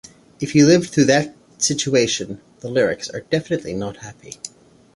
If you lived through that situation, the lyrics are definitely not happy.